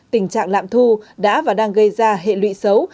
tình trạng lạm thu đã và đang gây ra hệ lụy xấu